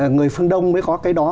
người phương đông mới có cái đó